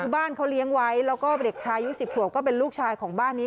บ้านเขาเลี้ยงไว้แล้วก็เด็กชายุ๑๐ขวบก็เป็นลูกชายของบ้านนี้